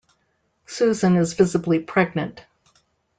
Susan is visibly pregnant.